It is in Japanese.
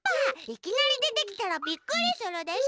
いきなりでてきたらびっくりするでしょ！